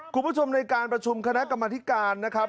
คุณผู้ชมในการประชุมคณะกรรมธิการนะครับ